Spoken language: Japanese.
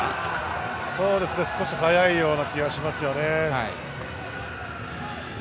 少し早いような気がしますよね。